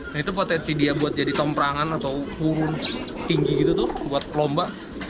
nah itu potensi dia buat jadi tomprangan atau hurun tinggi gitu tuh buat lomba